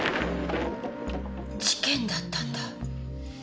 事件だったんだ。